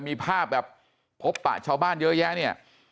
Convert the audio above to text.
มีภาพแบบพบปะชาวบ้านเยอะแยะเนี่ย